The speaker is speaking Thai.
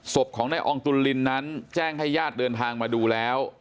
ศพของนายอองตุลลินนั้นแจ้งให้ญาติเดินทางมาดูแล้ว